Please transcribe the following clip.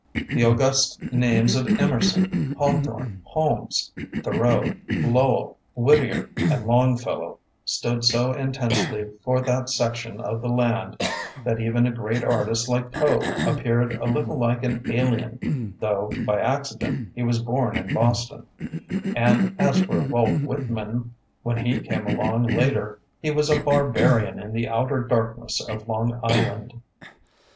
The august names of Emerson, Hawthorne, Holmes, Tho reau, Lowell, Whittier, and Longfel low stood so intensely for that section of the land, that even a great artist like Poe appeared a little like an alien (though, by accident, he was bom in Boston) ; and as for Walt Whitman, when he came along later, he was a barbarian in the outer darkness of Long Island.